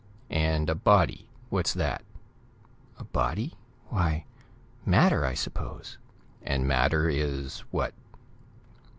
"And a body; what's that?" "A body? Why, matter, I suppose." "And matter is what?"